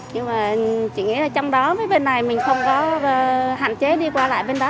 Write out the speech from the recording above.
nhưng mà chủ nghĩa là trong đó với bên này mình không có hạn chế đi qua lại bên đó